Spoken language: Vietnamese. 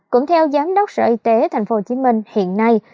cũng theo giám đốc sở y tế tp hcm hiện nay